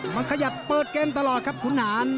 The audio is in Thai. มันขยับเปิดเกมตลอดครับคุณหาน